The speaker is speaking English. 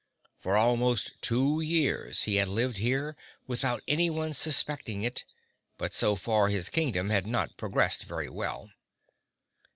For almost two years he had lived here without anyone suspecting it, but so far his kingdom had not progressed very well.